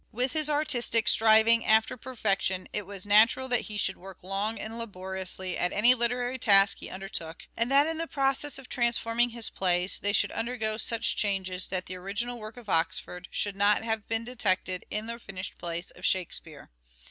With his artistic striving after perfection it was natural that he should work long and laboriously at any literary task he undertook, and that in the process of transforming his plays they should undergo such changes that the original work of Oxford should not have been detected in the finished plays of " Shakespeare."